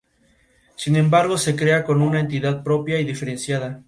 Sin embargo, se crea con una entidad propia y diferenciada.